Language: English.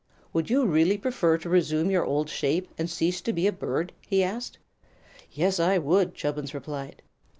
"Would you really prefer to resume your old shape, and cease to be a bird?" he asked. "Yes, if I could," Chubbins replied.